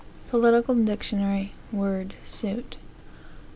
Political Dictionary, word Suit.